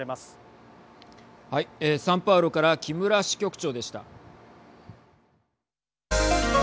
サンパウロから木村支局長でした。